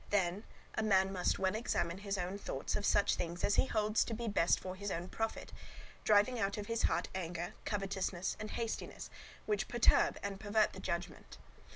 Then a man must well examine his own thoughts, of such things as he holds to be best for his own profit; driving out of his heart anger, covetousness, and hastiness, which perturb and pervert the judgement.